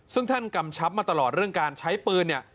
ซึ่งท่านกำชับมาตลอดเรื่องการใช้ปืนเนี่ย